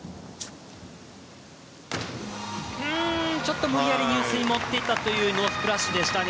ちょっと無理やり入水に持っていったというノースプラッシュでしたね。